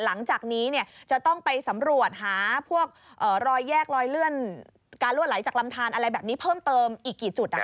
หลังจากนี้จะต้องไปสำรวจหาพวกรอยแยกรอยเลื่อนการลวดไหลจากลำทานอะไรแบบนี้เพิ่มเติมอีกกี่จุด